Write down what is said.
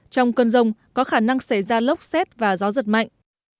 trong cơn rông có khả năng xảy ra lốc xét và gió giật mạnh